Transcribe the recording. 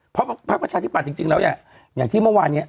เพราะภาคประชาที่ปกติจริงแล้วอ่ะอย่างที่เมื่อวานนี้